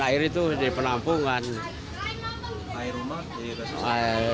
air rumah jadi susah